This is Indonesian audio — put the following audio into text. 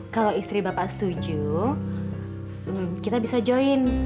kalau istri bapak setuju kita bisa join